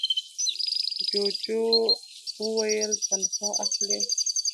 جوجو وویل تنخوا اخلې؟